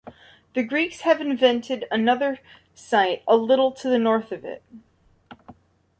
The Greeks have invented another site a little to the north of it.